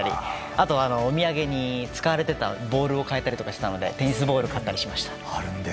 あとは、お土産に使われていたボールを買えたりとかしたのでテニスボールを買ったりしました。